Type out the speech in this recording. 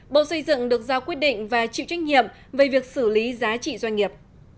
bộ xây dựng được giao quyết định và chịu trách nhiệm về việc xử lý giá trị doanh nghiệp